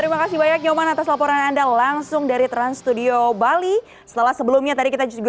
masih hanya ada satu pen dispute